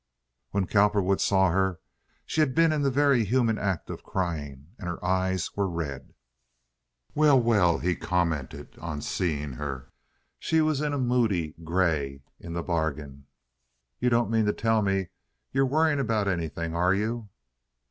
When Cowperwood saw her she had been in the very human act of crying, and her eyes were red. "Well, well," he commented, on seeing her—she was in moody gray in the bargain—"you don't mean to tell me you're worrying about anything, are you?"